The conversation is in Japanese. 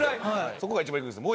そこが一番行くんですよ。